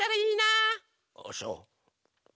ああそう。